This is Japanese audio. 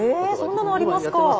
えそんなのありますか。